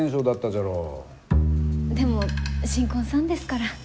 でも新婚さんですから。